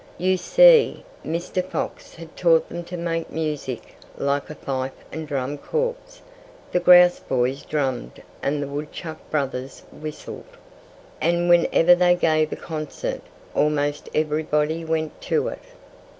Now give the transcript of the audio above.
You see, Mr. Fox had taught them to make music like a fife and drum corps the Grouse boys drummed and the Woodchuck brothers whistled. And whenever they gave a concert, almost everybody went to it.